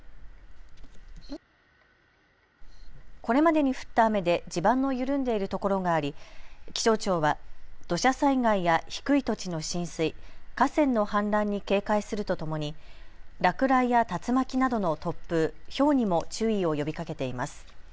これまでに降った雨で地盤の緩んでいる所があり気象庁は土砂災害や低い土地の浸水、河川の氾濫に警戒するとともに落雷や竜巻などの突風、ひょうにも注意を呼びかけています。